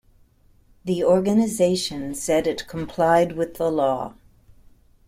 The organization said it complied with the law.